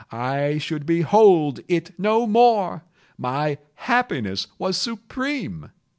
I should behold it no more! My happiness was supreme!